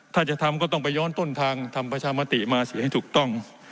ถ้าจะทำก็ต้องไปย้อนต้นทางทำประชามติมาเสียให้ถูกต้อง